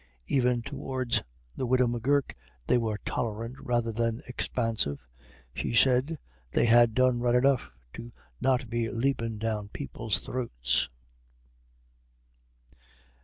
Even towards the widow M'Gurk they were tolerant rather than expansive. She said "they had done right enough to not be leppin' down people's throaths."